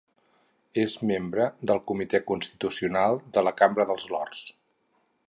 És membre del Comitè Constitucional de la Cambra de Lords.